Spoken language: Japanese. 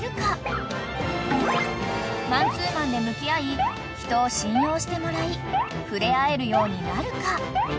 ［マンツーマンで向き合い人を信用してもらい触れ合えるようになるか？］